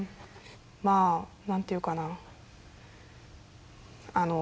まあ何て言うかな。